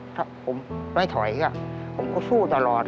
ถ้าผมไม่ถอยผมก็สู้ตลอด